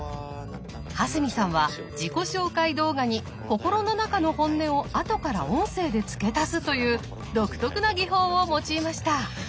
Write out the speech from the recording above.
蓮見さんは自己紹介動画に心の中の本音を後から音声で付け足すという独特な技法を用いました。